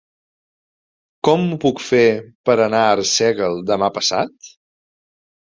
Com ho puc fer per anar a Arsèguel demà passat?